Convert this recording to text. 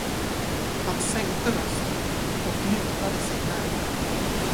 Han sänkte rösten och lutade sig närmre.